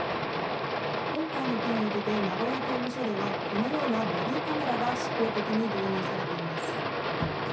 今回の件を受けて名古屋刑務所ではこのようなボディーカメラが試行的に導入されています。